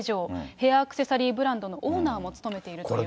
ヘアアクセサリーブランドのオーナーも務めているということです。